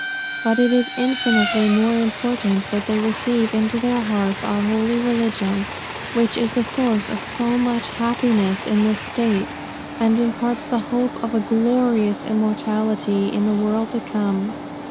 But it is infinitely more important that they receive into their hearts our holy religion, which is the source of so much happiness in this state, and imparts the hope of a glorious immortality in the world to come.